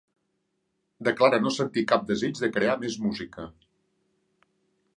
Declara no sentir cap desig de crear més música.